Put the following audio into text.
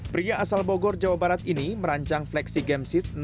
pria asal bogor jawa barat ini merancang flexi game seat